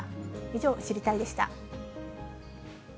以上、知りたいッ！でした。